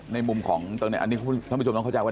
ในมุมของอันนี้ท่านผู้ชมเข้าใจว่า